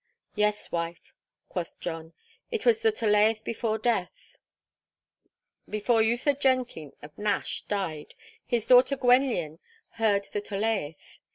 'Yes, wife,' quoth John, 'it was the Tolaeth before Death.' Before Ewythr Jenkin of Nash died, his daughter Gwenllian heard the Tolaeth.